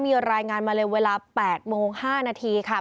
มีรายงานมาเลยเวลา๘โมง๕นาทีค่ะ